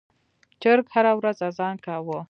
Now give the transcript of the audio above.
چرګ هره ورځ اذان کاوه.